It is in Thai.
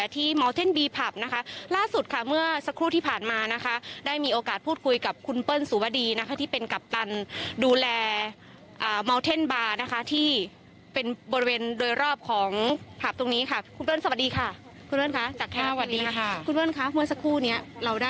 ตอนนี้เราได้มีการพูดคุยกันเรื่องต้นล่ะ